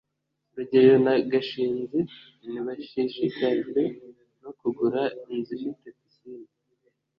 rugeyo na gashinzi ntibashishikajwe no kugura inzu ifite pisine